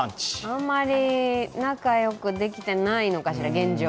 あまり仲よくできていないのかしら、現状。